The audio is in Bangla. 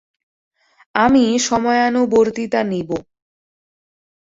আমি সময়ানুবর্তিতা নিব।